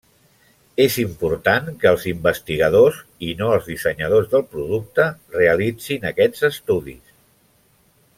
És important que els investigadors, i no els dissenyadors del producte, realitzin aquests estudis.